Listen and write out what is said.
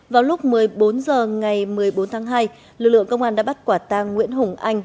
vào lúc một mươi bốn h ngày một mươi bốn tháng hai lực lượng công an đã bắt quả tang nguyễn hùng anh